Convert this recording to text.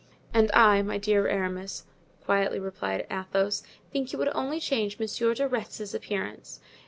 "And I, my dear Aramis," quietly replied Athos, "I think it would only change Monsieur de Retz's appearance.